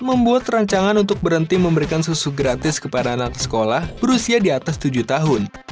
membuat rancangan untuk berhenti memberikan susu gratis kepada anak sekolah berusia di atas tujuh tahun